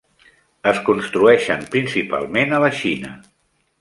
Es construeixen principalment a la Xina.